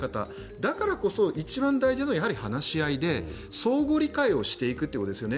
だからこそ、一番大事なのはやはり話し合いで相互理解をしていくということですよね。